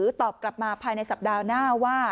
ตอบกลับมาภายในสัปดาห์หน้าว่า